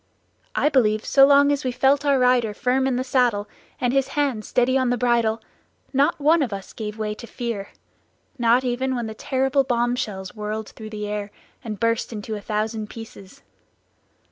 I believe so long as we felt our rider firm in the saddle, and his hand steady on the bridle, not one of us gave way to fear, not even when the terrible bomb shells whirled through the air and burst into a thousand pieces.